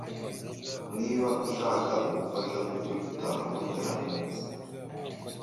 Niba ushaka ubufasha, kuki utahamagara Nkusi?